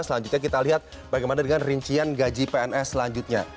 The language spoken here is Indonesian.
selanjutnya kita lihat bagaimana dengan rincian gaji pns selanjutnya